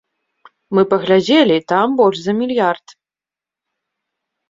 Мы паглядзелі, там больш за мільярд.